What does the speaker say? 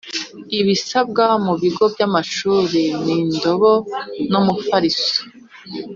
Ibisabwa mubigo byamashuri ni ndobo nu mufariso